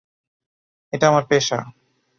এটা আমার পেশা।